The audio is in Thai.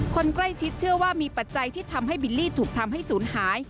คนใกล้ชิดเชื่อว่ามีปัจจัยที่ทำให้บิลลี่ถูกทำให้ศูนย์หาย